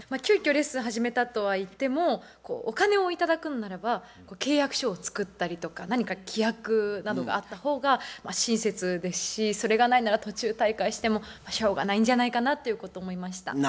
急きょレッスン始めたとはいってもお金を頂くのならば契約書を作ったりとか何か規約などがあった方が親切ですしそれがないなら途中退会してもしょうがないんじゃないかなっていうことを思いました。